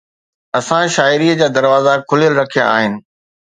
اسان شاعري جا دروازا کليل رکيا آهن